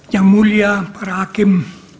yang mulia para hakim